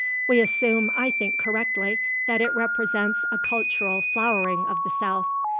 We assume, I think, correctly, that it represents a cultural flowering of the south.